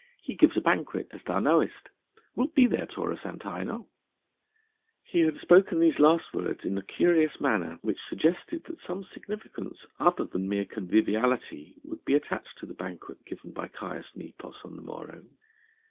He gives a banquet, as thou knowest. Wilt be there, Taurus Antinor?" He had spoken these last words in a curious manner which suggested that some significance other than mere conviviality would be attached to the banquet given by Caius Nepos on the morrow.